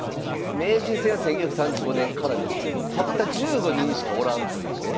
名人戦は１９３５年からですけどたった１５人しかおらんというね。